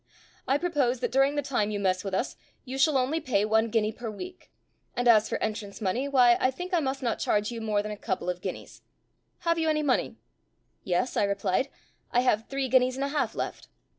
I propose that during the time you mess with us, you shall only pay one guinea per week; and, as for entrance money, why I think I must not charge you more than a couple of guineas. Have you any money?" "Yes," I replied, "I have three guineas and a half left."